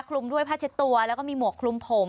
คลุมด้วยผ้าเช็ดตัวแล้วก็มีหมวกคลุมผม